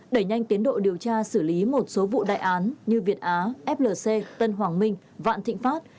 đẩy nhanh tiến độ điều tra xử lý một số vụ đại án như việt á flc tân hoàng minh vạn thịnh pháp